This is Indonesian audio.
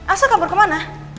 asa kabur kemana